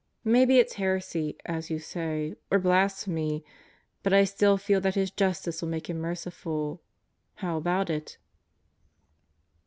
Maybe it's heresy, as you say, or blasphemy, but I still feel that His justice will make Him merciful. How about it?"